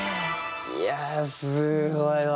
いやすごいわ。